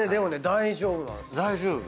大丈夫？